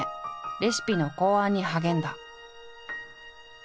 レシピの考案に励んだ。